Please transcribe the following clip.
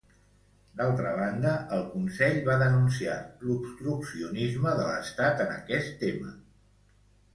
D'altra banda, el Consell va denunciar l'obstruccionisme de l'Estat en aquest tema.